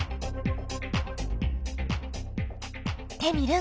テミルン